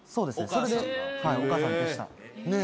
それでお母さんでした。